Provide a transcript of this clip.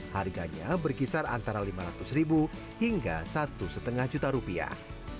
harganya berkisar antara lima ratus ribu hingga satu lima juta rupiah